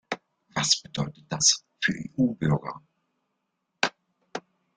Was bedeutet das für EU-Bürger?